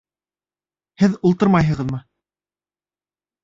— Һеҙ ултырмайһығыҙмы?